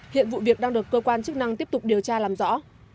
hiện vụ việc đang được cơ quan chức năng tiếp tục điều tra làm rõ